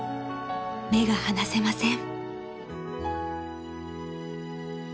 ［目が離せません］